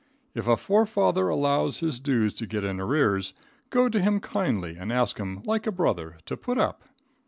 If a forefather allows his dues to get in arrears, go to him kindly and ask him like a brother to put up.